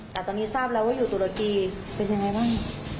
แต่ตอนนี้ทราบแล้วว่าอยู่ตุรกีเป็นยังไงบ้าง